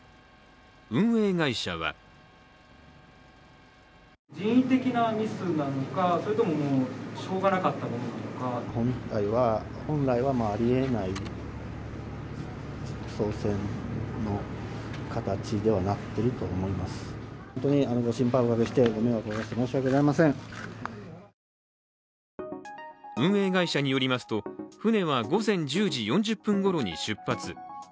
運営会社は運営会社によりますと、船は午前１０時４０分ごろに出発。